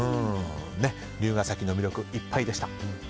龍ケ崎の魅力いっぱいでした。